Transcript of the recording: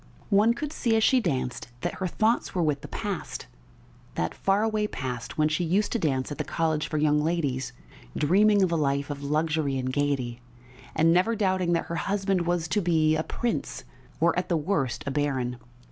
One could see as she danced that her thoughts were with the past, that faraway past when she used to dance at the "College for Young Ladies," dreaming of a life of luxury and gaiety, and never doubting that her husband was to be a prince or, at the worst, a baron.